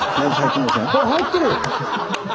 入ってる！